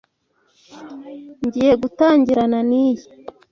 Ngiye gutangirana niyi.